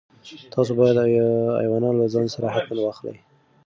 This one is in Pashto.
تاسو باید ایوانان له ځان سره حتماً واخلئ.